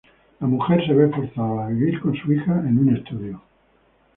La mujer se ve forzada a vivir con su hija en un estudio.